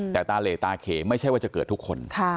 แต่ตาเหลตาเขไม่ใช่ว่าจะเกิดทุกคน